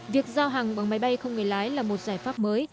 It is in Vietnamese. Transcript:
việc giao hàng bằng máy bay không người lái là một giải pháp mới